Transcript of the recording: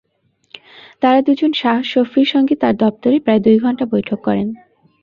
তাঁরা দুজন শাহ শফীর সঙ্গে তাঁর দপ্তরে প্রায় দুই ঘণ্টা বৈঠক করেন।